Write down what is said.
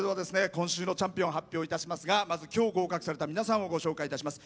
今週のチャンピオン発表いたしますがまず今日合格された皆さんをご紹介いたします。